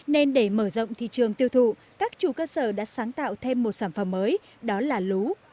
nên để mở rộng thị trường tiêu thụ các chủ cơ sở đã sáng tạo thêm một sản phẩm mới đó là lúa